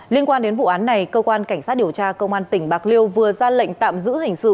liên quan đến vụ án này cơ quan cảnh sát điều tra công an tỉnh bạc liêu vừa ra lệnh tạm giữ hình sự